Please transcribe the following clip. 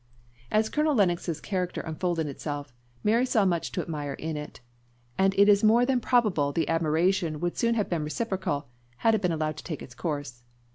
As Colonel Lennox's character unfolded itself, Mary saw much to admire in it; and it is more than probable the admiration would soon have been reciprocal, had it been allowed to take its course.